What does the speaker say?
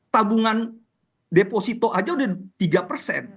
tabungan deposito aja udah tiga persen